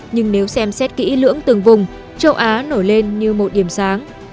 nhưng nếu xem xét kỹ lưỡng từng vùng châu á nổi lên như một điểm sáng